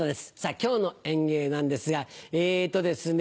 今日の演芸なんですがえっとですね